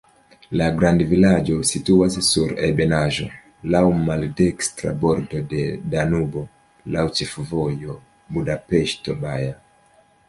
La grandvilaĝo situas sur ebenaĵo, laŭ maldekstra bordo de Danubo, laŭ ĉefvojo Budapeŝto-Baja.